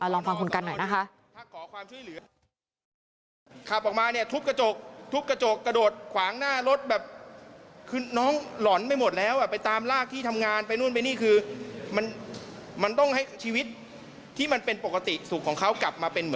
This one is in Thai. ลองฟังคุณกันหน่อยนะคะ